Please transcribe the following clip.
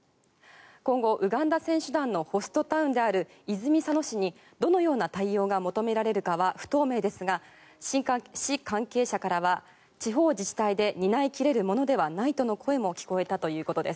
今後、ウガンダ選手団のホストタウンである泉佐野市にどのような対応が求められるかは不透明ですが市関係者からは地方自治体で担い切れるものではないとの声も聞こえたということです。